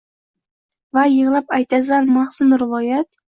va yig’lab aytasan mahzun rivoyat